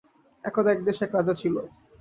একদা এক দেশে এক রাজা ছিল।